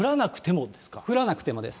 降らなくてもです。